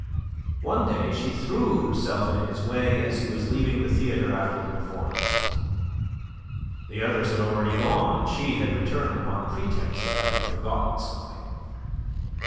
One day she threw herself in his way as he was leaving the theatre after the performance. The others had already gone, and she had returned upon pretence of having forgotten something.